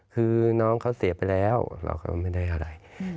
คือน้องเขาเสียไปแล้วเราก็ไม่ได้อะไร